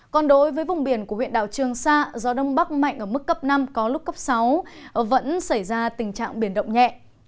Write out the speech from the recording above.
còn đối với vùng biển của huyện đảo trường sa gió đông bắc mạnh ở mức cấp năm có lúc cấp sáu vẫn xảy ra tình trạng biển động nhẹ